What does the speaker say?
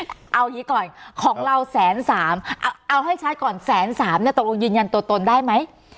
เอาอย่างนี้ก่อนของเราแสนสามเอาให้ชัดก่อนแสนสามเนี่ยตกลงยืนยันตัวตนได้ไหม